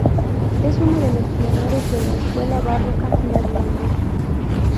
Es uno de los pioneros de la Escuela Barroca Neerlandesa.